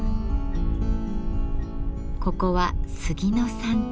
ここは杉の産地。